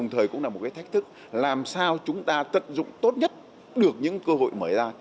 thì cũng là một cái thách thức làm sao chúng ta tận dụng tốt nhất được những cơ hội mở ra